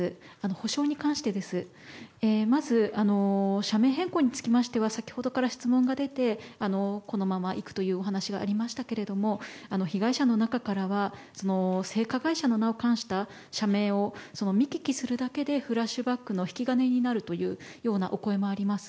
補償に関してですがまず、社名変更につきましては先ほどから質問が出てこのままいくというお話がありましたけれども被害者の中からは性加害者の名を冠した社名を見聞きするだけでフラッシュバックの引き金になるというようなお声もあります。